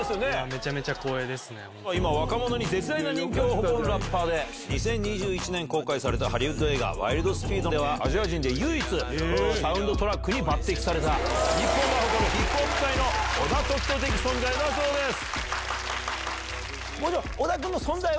めちゃめちゃ光栄ですね、今、若者に絶大な人気を誇るラッパーで、２０２１年公開されたハリウッド映画、ワイルド・スピードでは、アジア人で唯一、サウンドトラックに抜てきされた、日本が誇るヒップホップ界の小田凱人的存在だそうです。